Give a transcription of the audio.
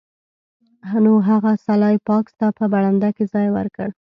نو هغه سلای فاکس ته په برنډه کې ځای ورکړ